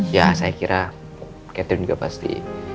ya saya kira catherine juga pasti